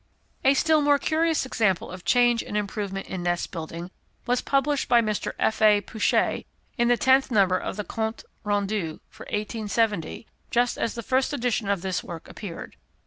A still more curious example of change and improvement in nest building was published by Mr. F. A. Pouchet, in the tenth number of the Comptes Rendus for 1870, just as the first edition of this work appeared.